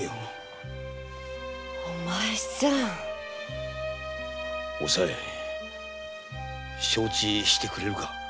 お前さん！おさい承知してくれるか！？